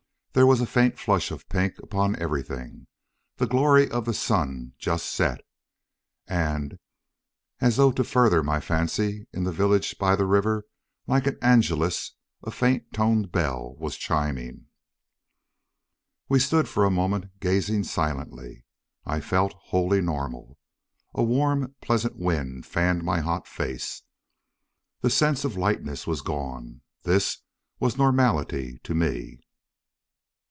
There was a faint flush of pink upon everything: the glory of the sun just set. And as though to further my fancy, in the village by the river, like an angelus, a faint toned bell was chiming. We stood for a moment gazing silently. I felt wholly normal. A warm, pleasant wind fanned my hot face. The sense of lightness was gone. This was normality to me.